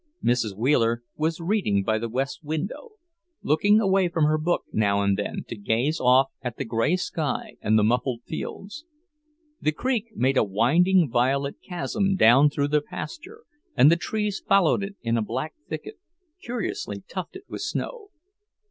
Mrs. Wheeler was reading by the west window, looking away from her book now and then to gaze off at the grey sky and the muffled fields. The creek made a winding violet chasm down through the pasture, and the trees followed it in a black thicket, curiously tufted with snow.